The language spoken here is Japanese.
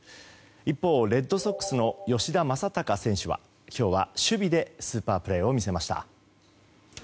一方、レッドソックスの吉田正尚選手は今日は守備でスーパープレーを見せました。